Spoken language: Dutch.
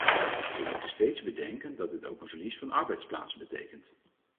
We moeten steeds bedenken dat dit ook een verlies van arbeidsplaatsen betekent.